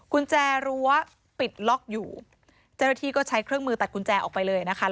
กุญแจรั้วปิดล็อกอยู่เจ้าหน้าที่ก็ใช้เครื่องมือตัดกุญแจออกไปเลยนะคะ